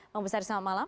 bang bestari selamat malam